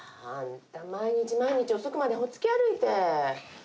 あんた毎日毎日遅くまでほっつき歩いて。